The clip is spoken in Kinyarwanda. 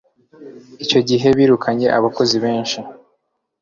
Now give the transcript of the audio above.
Icyo gihe birukanye abakozi benshi